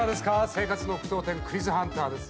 生活の句読点「クイズハンター」です。